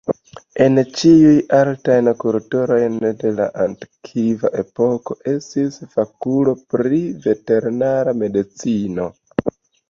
En ĉiuj altaj kulturoj de la antikva epoko estis fakuloj pri veterinara medicino.